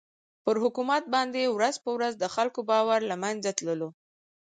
پر حکومت باندې ورځ په ورځ د خلکو باور له مېنځه تللو.